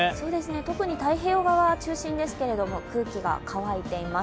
特に太平洋側中心ですが、空気が乾いています。